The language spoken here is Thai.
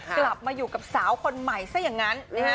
กลับมาอยู่กับสาวคนใหม่ซะอย่างนั้น